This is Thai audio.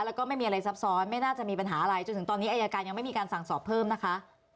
แล้วก็ไม่มีอะไรซับซ้อนไม่น่าจะมีปัญหาอะไรจนถึงตอนนี้อายการยังไม่มีการสั่งสอบเพิ่มนะคะ